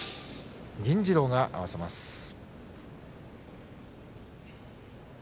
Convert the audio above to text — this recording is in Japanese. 銀治郎が合わせます。